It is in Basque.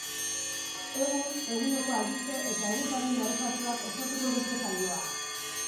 Egun eguneko albiste eta egunkarien errepasoak osatuko dute saioa.